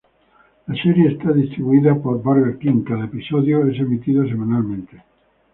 La serie es distribuida por Burger King, cada episodio es emitido semanalmente.